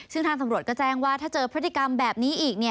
ซึ่งทางตำรวจก็แจ้งว่าถ้าเจอพฤติกรรมแบบนี้อีก